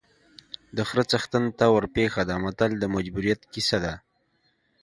د خره څښتن ته ورپېښه ده متل د مجبوریت کیسه ده